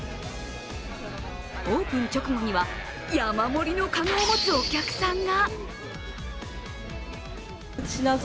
オープン直後には山盛りの籠を持つお客さんが。